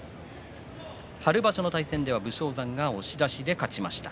春場所の対戦では武将山が押し出しで勝ちました。